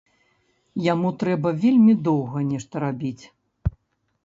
Яму трэба вельмі доўга нешта рабіць.